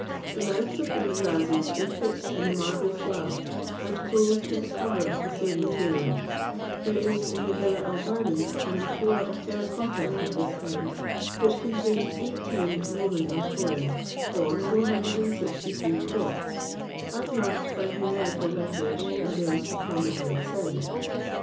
The mouths of these vases were fixed in a marble slab, and closed with a cover of the same material. There is in the Villa Albani, an amphora of terra cotta of this kind, which contained 18 Roman amphoræ, or 463 quarts, as marked by numerical letters, engraved upon the outside.